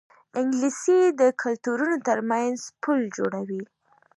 انګلیسي د کلتورونو ترمنځ پل جوړوي